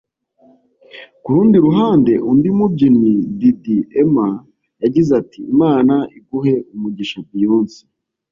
Ku rundi ruhande undi mubyinnyi Diddi Emah yagize ati”Imana iguhe umugisha Beyonce